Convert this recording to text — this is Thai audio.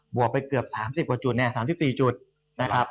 วกไปเกือบ๓๐กว่าจุดเนี่ย๓๔จุดนะครับ